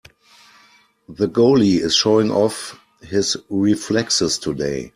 The goalie is showing off his reflexes today.